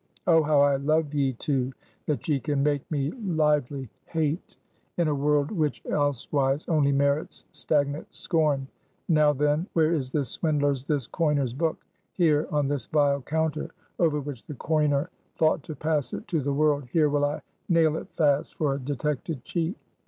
Oh, how I love ye two, that yet can make me lively hate, in a world which elsewise only merits stagnant scorn! Now, then, where is this swindler's, this coiner's book? Here, on this vile counter, over which the coiner thought to pass it to the world, here will I nail it fast, for a detected cheat!